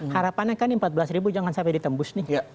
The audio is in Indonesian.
harapannya kan empat belas ribu jangan sampai ditembus nih